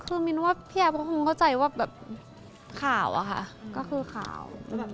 คือมินว่าพี่แอฟก็คงเข้าใจว่าแบบข่าวอะค่ะก็คือข่าว